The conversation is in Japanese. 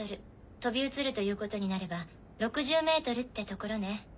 飛び移るということになれば６０ｍってところね。